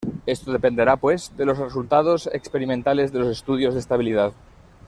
Esto dependerá pues, de los resultados experimentales de los estudios de estabilidad.